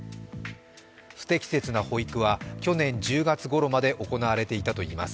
不適切な保育は去年１０月ごろまで行われていたといいます。